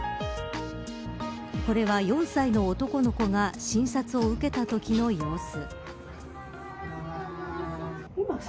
これは４歳の男の子が診察を受けたときの様子。